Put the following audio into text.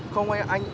không anh anh